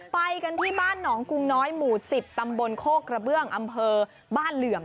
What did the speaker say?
ไปกันที่บ้านหนองกุงน้อยหมู่๑๐ตำบลโคกระเบื้องอำเภอบ้านเหลื่อม